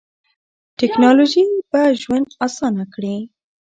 ټیکنالوژي به ژوند اسانه کړي.